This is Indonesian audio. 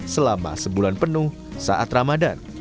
selama sebulan penuh saat ramadan